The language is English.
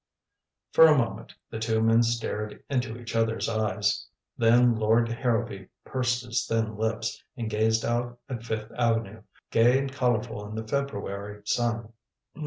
For a moment the two men stared into each other's eyes. Then Lord Harrowby pursed his thin lips and gazed out at Fifth Avenue, gay and colorful in the February sun.